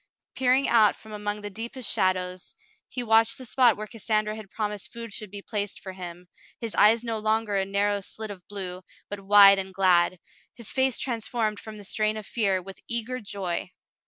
Peering out from among the deepest shadows, he watched the spot where Cassandra had promised food should be placed for him, his eyes no longer a narrow slit of blue, but wide and glad, his face transformed from the strain of fear with eager joy.